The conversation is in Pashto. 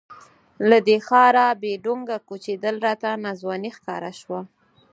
له دې ښاره بې ډونګه کوچېدل راته ناځواني ښکاره شوه.